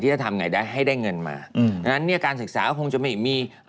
จะทำไงได้ให้ได้เงินมาดังนั้นเนี่ยการศึกษาก็คงจะไม่มี